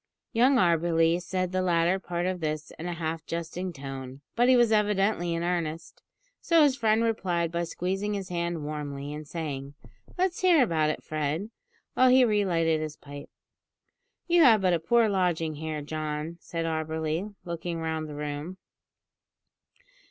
Young Auberly said the latter part of this in a half jesting tone, but he was evidently in earnest, so his friend replied by squeezing his hand warmly, and saying, "Let's hear about it, Fred," while he re lighted his pipe. "You have but a poor lodging here, John," said Auberly, looking round the room.